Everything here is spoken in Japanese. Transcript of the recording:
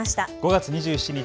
５月２７日